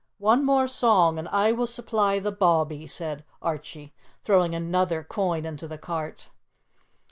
"One more song, and I will supply the bawbee," said Archie, throwing another coin into the cart.